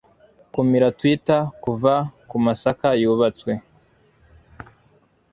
Kumira twitter kuva kumasaka yubatswe,